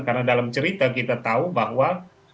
karena dalam cerita kita tahu bahwa